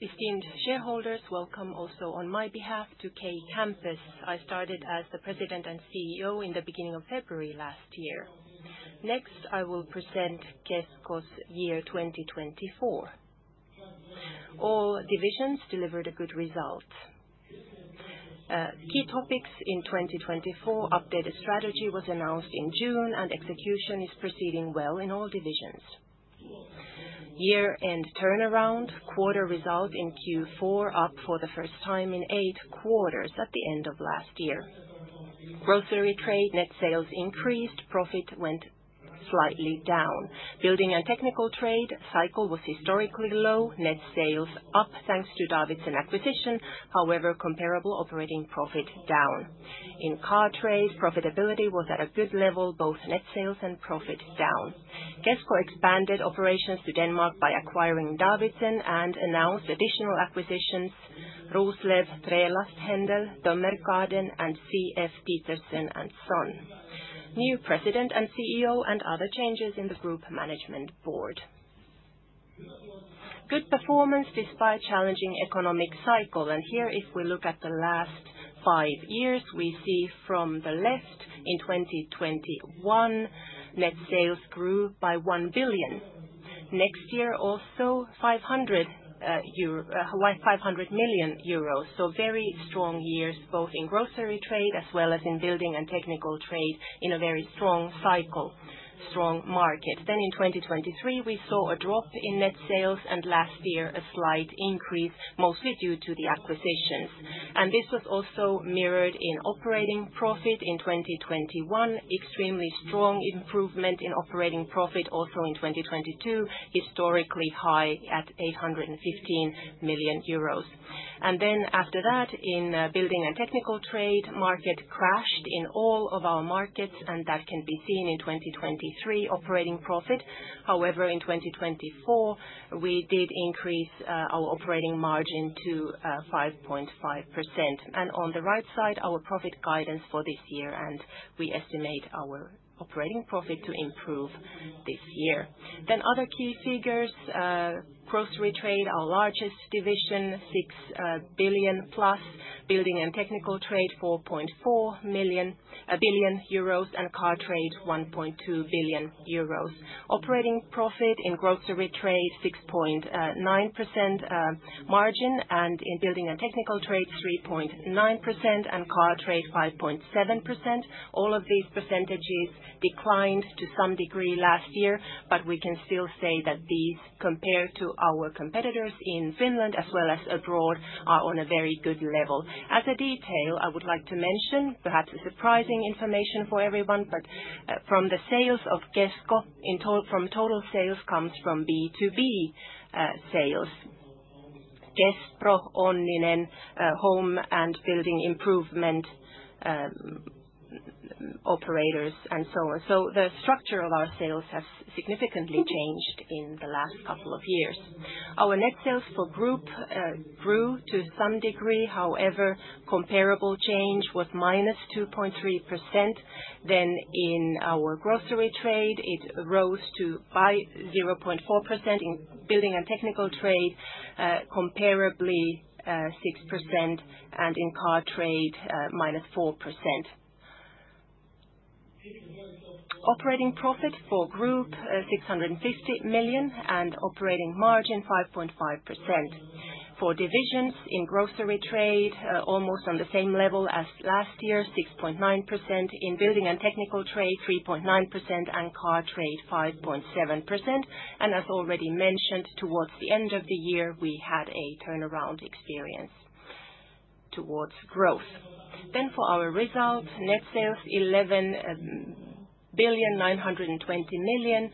Esteemed shareholders, welcome also on my behalf to K-Campus. I started as the President and CEO in the beginning of February last year. Next, I will present Kesko's year 2024. All divisions delivered a good result. Key topics in 2024: updated strategy was announced in June, and execution is proceeding well in all divisions. Year-end turnaround: quarter results in Q4 up for the first time in eight quarters at the end of last year. Grocery trade net sales increased, profit went slightly down. Building and technical trade cycle was historically low, net sales up thanks to Davidsen acquisition. However, comparable operating profit down. In car trade, profitability was at a good level, both net sales and profit down. Kesko expanded operations to Denmark by acquiring Davidsen and announced additional acquisitions: Roslev Trælasthandel, Tømmergaarden, and C.F. Petersen & Søn. New President and CEO and other changes in the group management board. Good performance despite challenging economic cycle. Here, if we look at the last five years, we see from the left in 2021, net sales grew by 1 billion. The next year also, 500 million euro. Very strong years, both in grocery trade as well as in building and technical trade, in a very strong cycle, strong market. In 2023, we saw a drop in net sales and last year a slight increase, mostly due to the acquisitions. This was also mirrored in operating profit in 2021. Extremely strong improvement in operating profit also in 2022, historically high at 815 million euros. After that, in building and technical trade, market crashed in all of our markets, and that can be seen in 2023 operating profit. However, in 2024, we did increase our operating margin to 5.5%. On the right side, our profit guidance for this year, and we estimate our operating profit to improve this year. Other key figures: grocery trade, our largest division, 6 billion plus; building and technical trade, 4.4 billion euros; and car trade, 1.2 billion euros. Operating profit in grocery trade, 6.9% margin; in building and technical trade, 3.9%; and car trade, 5.7%. All of these percentages declined to some degree last year, but we can still say that these, compared to our competitors in Finland as well as abroad, are on a very good level. As a detail, I would like to mention perhaps surprising information for everyone, but from the sales of Kesko, from total sales comes from B2B sales. Kespro, Onninen, home and building improvement operators and so on. The structure of our sales has significantly changed in the last couple of years. Our net sales for group grew to some degree. However, comparable change was -2.3%. In our grocery trade, it rose by 0.4%. In building and technical trade, comparably 6%. In car trade, -4%. Operating profit for group, 650 million, and operating margin, 5.5%. For divisions in grocery trade, almost on the same level as last year, 6.9%. In building and technical trade, 3.9%. Car trade, 5.7%. As already mentioned, towards the end of the year, we had a turnaround experience towards growth. For our result, net sales 11 billion 920 million,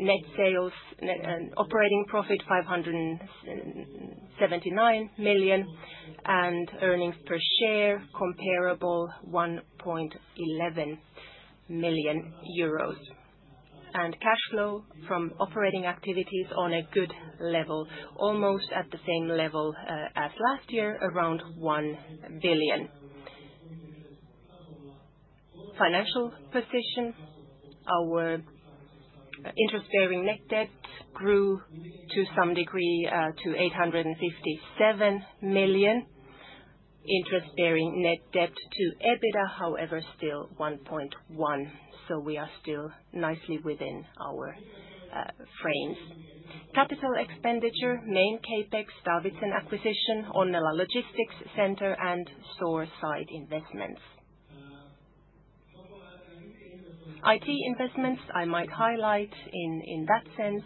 net sales and operating profit 579 million, and earnings per share comparable 1.11. Cash flow from operating activities on a good level, almost at the same level as last year, around 1 billion. Financial position, our interest-bearing net debt grew to some degree to 857 million. Interest-bearing net debt to EBITDA, however, still 1.1, so we are still nicely within our frames. Capital expenditure, main Capex, Davidsen acquisition, Onnela Logistics Center, and store site investments. IT investments, I might highlight in that sense,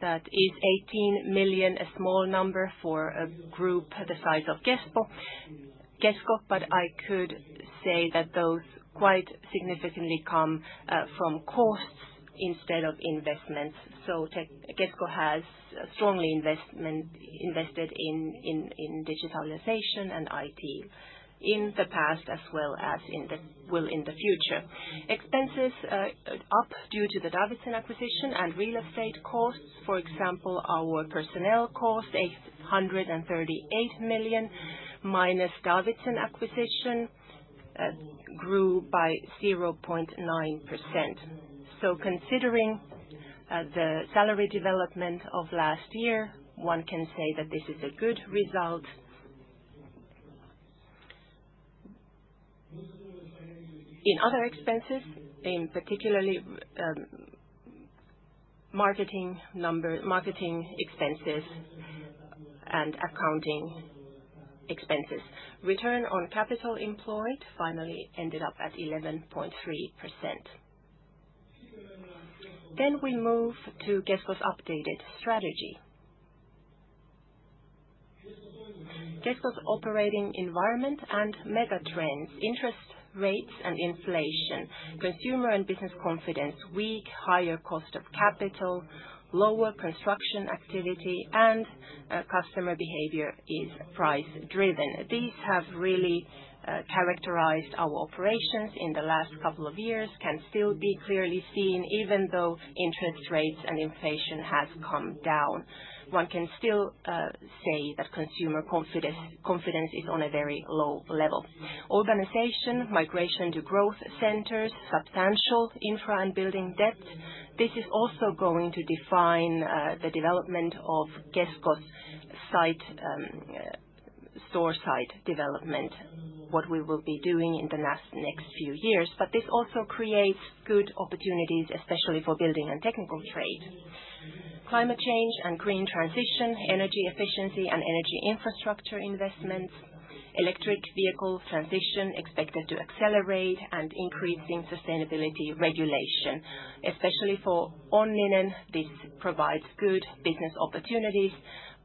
that is 18 million, a small number for a group the size of Kesko, but I could say that those quite significantly come from costs instead of investments. Kesko has strongly invested in digitalization and IT in the past as well as will in the future. Expenses up due to the Davidsen acquisition and real estate costs. For example, our personnel cost, 838 million, minus Davidsen acquisition, grew by 0.9%. Considering the salary development of last year, one can say that this is a good result. In other expenses, in particularly marketing expenses and accounting expenses, return on capital employed finally ended up at 11.3%. We move to Kesko's updated strategy. Kesko's operating environment and megatrends, interest rates and inflation, consumer and business confidence, weak higher cost of capital, lower construction activity, and customer behavior is price-driven. These have really characterized our operations in the last couple of years, can still be clearly seen even though interest rates and inflation have come down. One can still say that consumer confidence is on a very low level. Organization, migration to growth centers, substantial infra and building debt. This is also going to define the development of Kesko's store site development, what we will be doing in the next few years. This also creates good opportunities, especially for building and technical trade. Climate change and green transition, energy efficiency and energy infrastructure investments, electric vehicle transition expected to accelerate and increasing sustainability regulation. Especially for Onninen, this provides good business opportunities,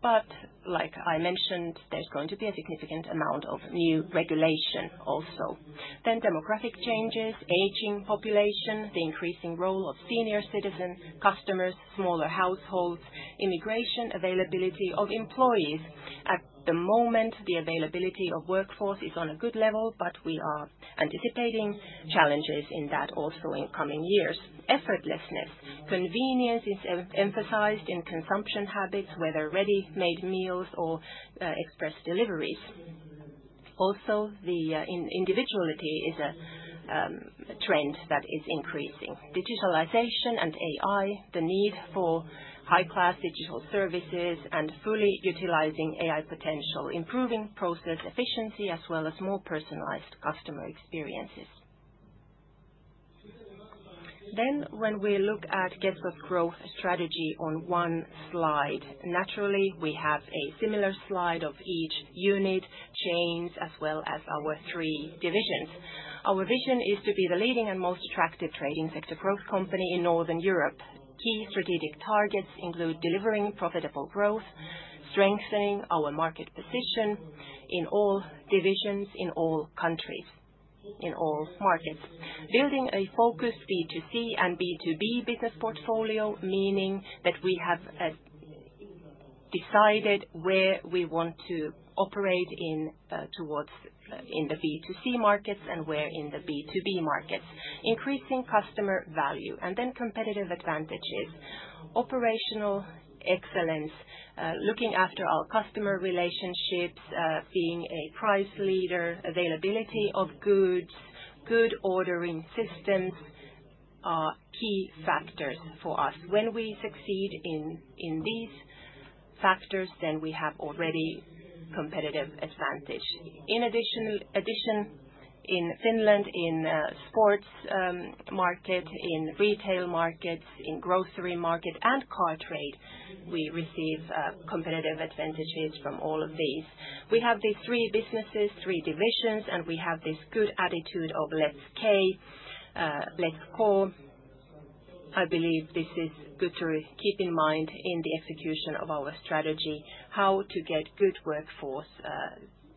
but like I mentioned, there is going to be a significant amount of new regulation also. Demographic changes, aging population, the increasing role of senior citizen customers, smaller households, immigration, availability of employees. At the moment, the availability of workforce is on a good level, but we are anticipating challenges in that also in coming years. Effortlessness, convenience is emphasized in consumption habits, whether ready-made meals or express deliveries. Also, the individuality is a trend that is increasing. Digitalization and AI, the need for high-class digital services and fully utilizing AI potential, improving process efficiency as well as more personalized customer experiences. When we look at Kesko's growth strategy on one slide, naturally we have a similar slide of each unit, chains, as well as our three divisions. Our vision is to be the leading and most attractive trading sector growth company in Northern Europe. Key strategic targets include delivering profitable growth, strengthening our market position in all divisions, in all countries, in all markets. Building a focused B2C and B2B business portfolio, meaning that we have decided where we want to operate in towards in the B2C markets and where in the B2B markets. Increasing customer value and then competitive advantages, operational excellence, looking after our customer relationships, being a price leader, availability of goods, good ordering systems are key factors for us. When we succeed in these factors, then we have already competitive advantage. In addition, in Finland, in sports market, in retail markets, in grocery market and car trade, we receive competitive advantages from all of these. We have these three businesses, three divisions, and we have this good attitude of Let's K, Let's Go. I believe this is good to keep in mind in the execution of our strategy, how to get good workforce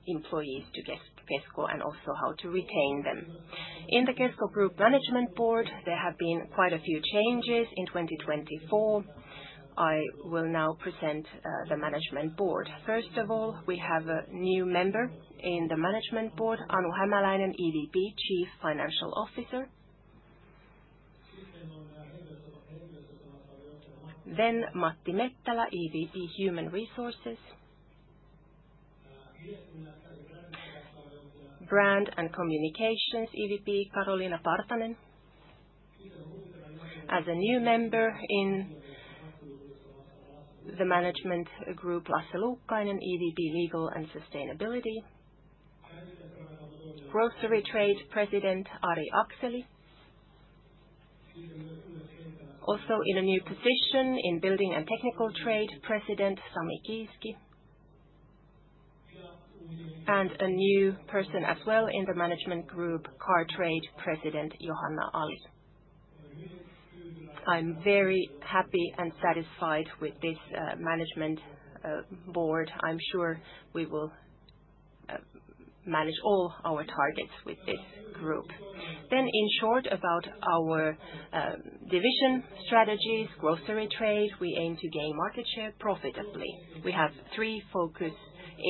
employees to Kesko and also how to retain them. In the Kesko Group Management Board, there have been quite a few changes in 2024. I will now present the management board. First of all, we have a new member in the management board, Anu Hämäläinen, EVP Chief Financial Officer. Then Matti Mettälä, EVP Human Resources. Brand and Communications, EVP Karoliina Partanen. As a new member in the management group, Lasse Luukkainen, EVP Legal and Sustainability. Grocery trade president, Ari Akseli. Also in a new position in building and technical trade, president Sami Kiiski. And a new person as well in the management group, car trade president, Johanna Ali. I'm very happy and satisfied with this management board. I'm sure we will manage all our targets with this group. In short about our division strategies, grocery trade, we aim to gain market share profitably. We have three focus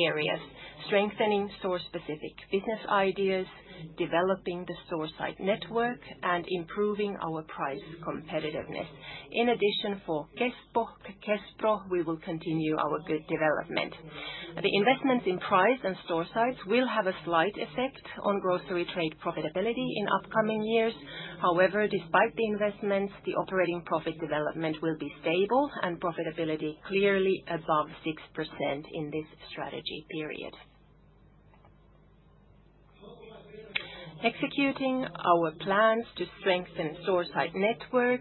areas: strengthening store-specific business ideas, developing the store site network, and improving our price competitiveness. In addition, for Kesko, Kespro, we will continue our good development. The investments in price and store sites will have a slight effect on grocery trade profitability in upcoming years. However, despite the investments, the operating profit development will be stable and profitability clearly above 6% in this strategy period. Executing our plans to strengthen store site network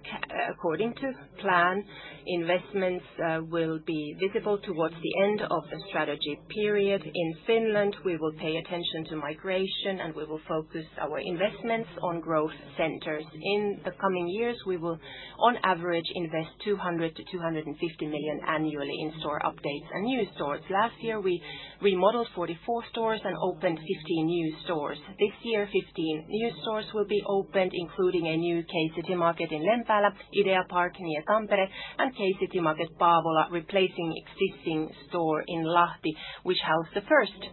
according to plan, investments will be visible towards the end of the strategy period. In Finland, we will pay attention to migration and we will focus our investments on growth centers. In the coming years, we will on average invest 200 million-250 million annually in store updates and new stores. Last year, we remodeled 44 stores and opened 15 new stores. This year, 15 new stores will be opened, including a new K-Citymarket in Lempäälä, Ideapark near Tampere, and K-Citymarket Paavola, replacing the existing store in Lahti, which housed the first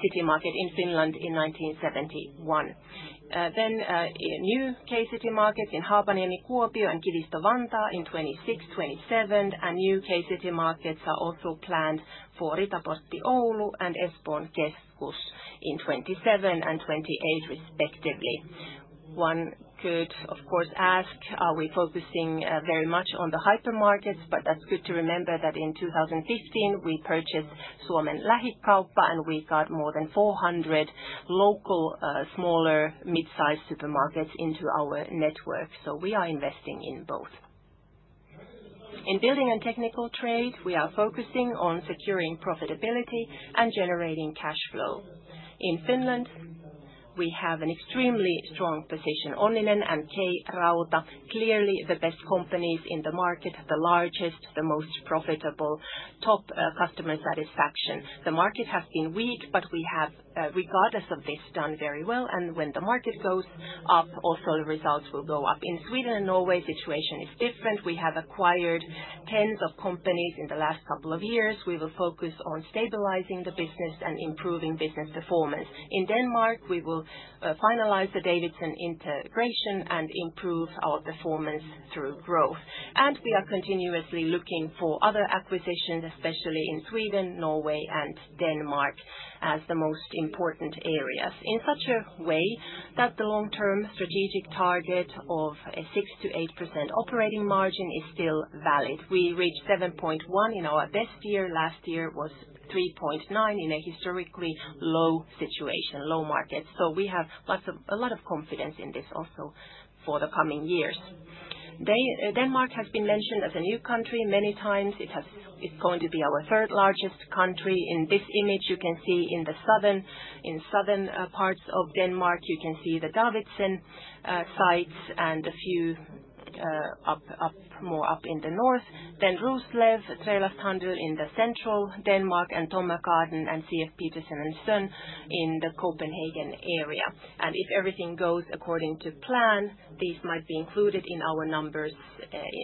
Citymarket in Finland in 1971. New K-Citymarkets in Haapaniemi, Kuopio, and Kivistö, Vantaa in 2026, 2027, and new K-Citymarkets are also planned for Ritaportti, Oulu, and Espoon Keskus in 2027 and 2028 respectively. One could, of course, ask, are we focusing very much on the hypermarkets, but that's good to remember that in 2015 we purchased Suomen Lähikauppa and we got more than 400 local smaller midsize supermarkets into our network, so we are investing in both. In building and technical trade, we are focusing on securing profitability and generating cash flow. In Finland, we have an extremely strong position. Onninen and K-Rauta, clearly the best companies in the market, the largest, the most profitable, top customer satisfaction. The market has been weak, but we have, regardless of this, done very well, and when the market goes up, also the results will go up. In Sweden and Norway, the situation is different. We have acquired tens of companies in the last couple of years. We will focus on stabilizing the business and improving business performance. In Denmark, we will finalize the Davidsen integration and improve our performance through growth. We are continuously looking for other acquisitions, especially in Sweden, Norway, and Denmark, as the most important areas. In such a way that the long-term strategic target of a 6-8% operating margin is still valid. We reached 7.1% in our best year. Last year was 3.9% in a historically low situation, low market. We have a lot of confidence in this also for the coming years. Denmark has been mentioned as a new country many times. It is going to be our third largest country. In this image, you can see in the southern parts of Denmark, you can see the Davidsen sites and a few more up in the north. Then Roslev Trælasthandel in central Denmark, and Tømmergaarden and C.F. Petersen & Son in the Copenhagen area. If everything goes according to plan, these might be included in our numbers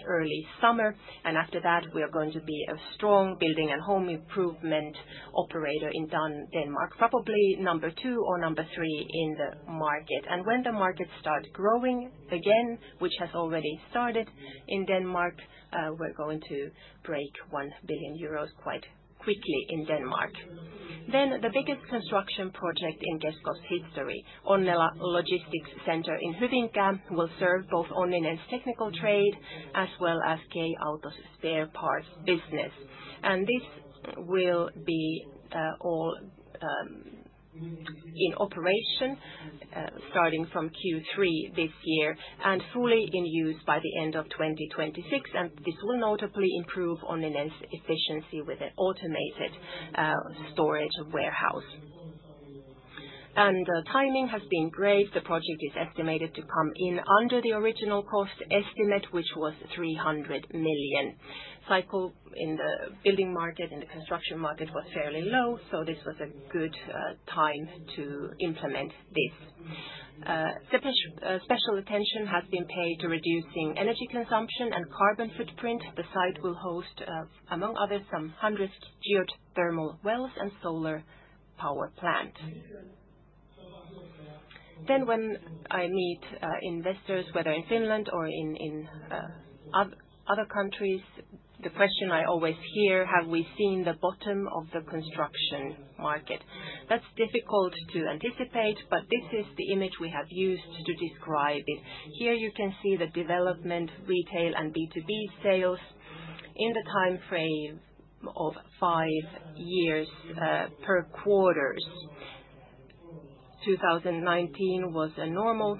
early summer. After that, we are going to be a strong building and home improvement operator in Denmark, probably number two or number three in the market. When the market starts growing again, which has already started in Denmark, we are going to break 1 billion euros quite quickly in Denmark. The biggest construction project in Kesko's history, Onnela Logistics Center in Hyvinkää, will serve both Onninen's technical trade as well as K-Auto's spare parts business. This will be all in operation starting from Q3 this year and fully in use by the end of 2026. This will notably improve Onninen's efficiency with an automated storage warehouse. The timing has been great. The project is estimated to come in under the original cost estimate, which was 300 million. Cycle in the building market and the construction market was fairly low, so this was a good time to implement this. Special attention has been paid to reducing energy consumption and carbon footprint. The site will host, among others, some hundreds of geothermal wells and solar power plants. When I meet investors, whether in Finland or in other countries, the question I always hear is, have we seen the bottom of the construction market? That's difficult to anticipate, but this is the image we have used to describe it. Here you can see the development, retail, and B2B sales in the timeframe of five years per quarters. 2019 was a normal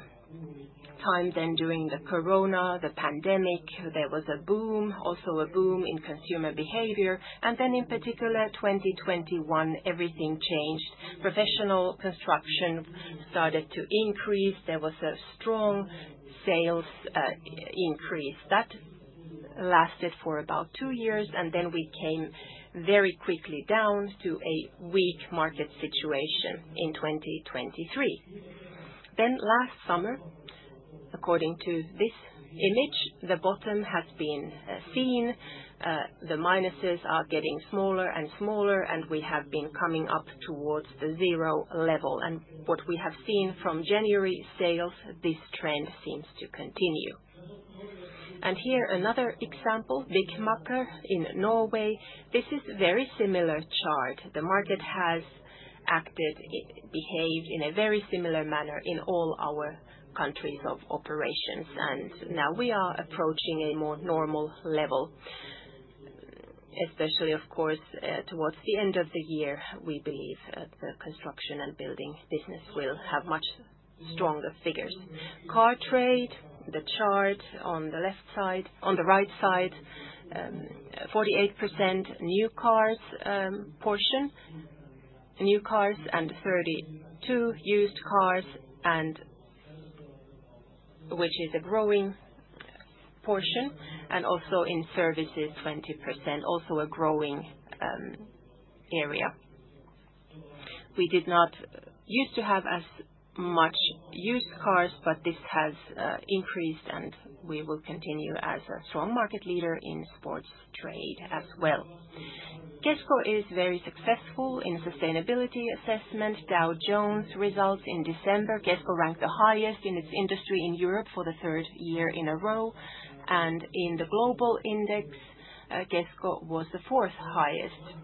time, then during the corona, the pandemic, there was a boom, also a boom in consumer behavior. In particular, 2021, everything changed. Professional construction started to increase. There was a strong sales increase. That lasted for about two years, and we came very quickly down to a weak market situation in 2023. Last summer, according to this image, the bottom has been seen. The minuses are getting smaller and smaller, and we have been coming up towards the zero level. What we have seen from January sales, this trend seems to continue. Here another example, Byggmakker in Norway. This is a very similar chart. The market has acted, behaved in a very similar manner in all our countries of operations. Now we are approaching a more normal level, especially of course towards the end of the year, we believe the construction and building business will have much stronger figures. Car trade, the chart on the left side. On the right side, 48% new cars portion, new cars and 32% used cars, which is a growing portion. Also in services, 20%, also a growing area. We did not used to have as much used cars, but this has increased, and we will continue as a strong market leader in sports trade as well. Kesko is very successful in sustainability assessment. Dow Jones results in December, Kesko ranked the highest in its industry in Europe for the third year in a row. In the global index, Kesko was the fourth highest.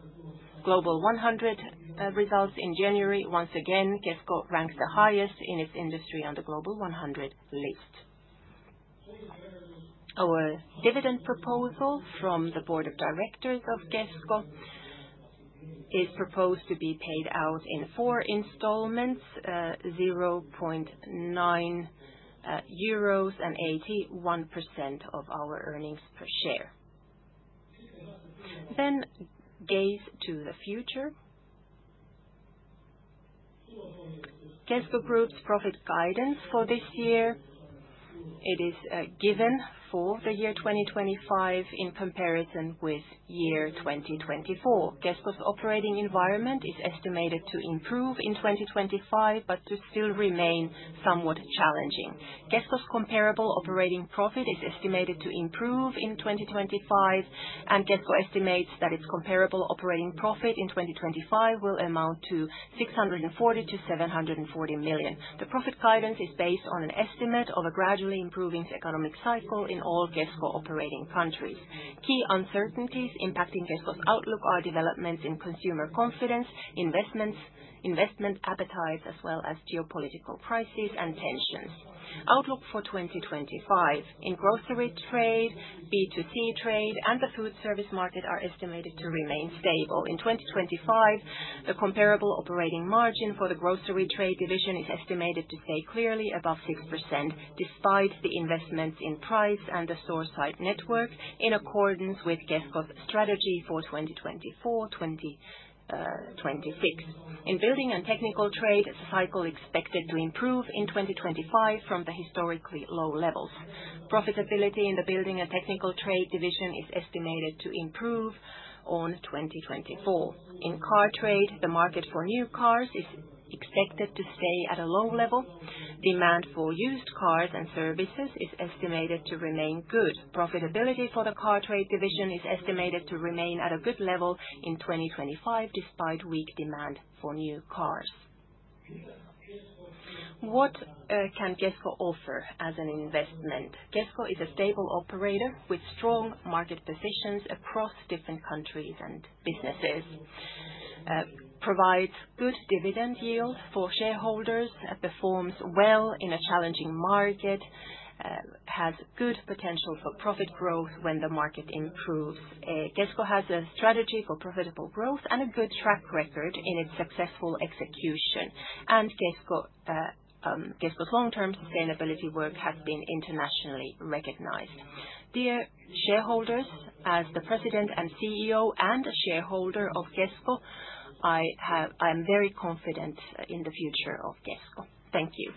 Global 100 results in January, once again, Kesko ranks the highest in its industry on the Global 100 list. Our dividend proposal from the board of directors of Kesko is proposed to be paid out in four installments, 0.9 euros and 81% of our earnings per share. Gaze to the future. Kesko Group's profit guidance for this year, it is given for the year 2025 in comparison with year 2024. Kesko's operating environment is estimated to improve in 2025, but to still remain somewhat challenging. Kesko's comparable operating profit is estimated to improve in 2025, and Kesko estimates that its comparable operating profit in 2025 will amount to 640-740 million. The profit guidance is based on an estimate of a gradually improving economic cycle in all Kesko operating countries. Key uncertainties impacting Kesko's outlook are developments in consumer confidence, investment appetites, as well as geopolitical crises and tensions. Outlook for 2025. In grocery trade, B2C trade, and the food service market are estimated to remain stable. In 2025, the comparable operating margin for the grocery trade division is estimated to stay clearly above 6%, despite the investments in price and the store site network, in accordance with Kesko's strategy for 2024-2026. In building and technical trade, the cycle is expected to improve in 2025 from the historically low levels. Profitability in the building and technical trade division is estimated to improve on 2024. In car trade, the market for new cars is expected to stay at a low level. Demand for used cars and services is estimated to remain good. Profitability for the car trade division is estimated to remain at a good level in 2025, despite weak demand for new cars. What can Kesko offer as an investment? Kesko is a stable operator with strong market positions across different countries and businesses. Provides good dividend yields for shareholders, performs well in a challenging market, has good potential for profit growth when the market improves. Kesko has a strategy for profitable growth and a good track record in its successful execution. Kesko's long-term sustainability work has been internationally recognized. Dear shareholders, as the President and CEO and a shareholder of Kesko, I am very confident in the future of Kesko. Thank you.